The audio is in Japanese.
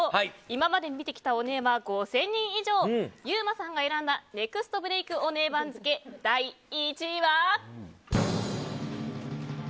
今までに見てきたオネエは５０００人以上ユーマさんが選んだネクストブレークオネエ番付第１位は。